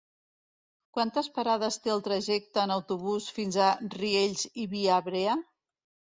Quantes parades té el trajecte en autobús fins a Riells i Viabrea?